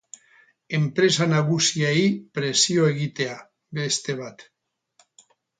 Enpresa nagusiei presio egitea, beste bat.